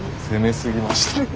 攻めすぎました。